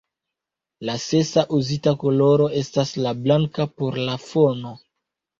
La sesa uzita koloro estas la blanka por la fono.